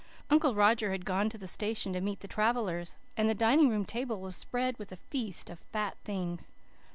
Uncle Roger had gone to the station to meet the travellers, and the dining room table was spread with a feast of fat things.